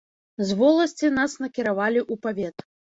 З воласці нас накіравалі ў павет.